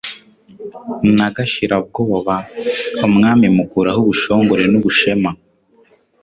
Na Gashira-bwoba, Umwami mukura ho ubushongore n'ubushema,